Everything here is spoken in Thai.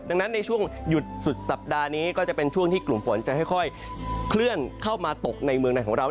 ดังนั้นในช่วงหยุดสุดสัปดาห์นี้ก็จะเป็นช่วงที่กลุ่มฝนจะค่อยเคลื่อนเข้ามาตกในเมืองในของเรา